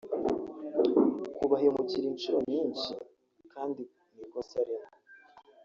kubahemukira inshuro nyinshi kandi mu ikosa rimwe